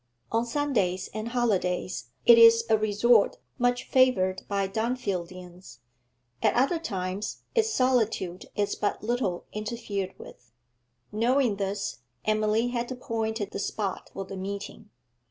On Sundays and holidays it is a resort much favoured by Dunfieldians; at other times its solitude is but little interfered with. Knowing this, Emily had appointed the spot for the meeting.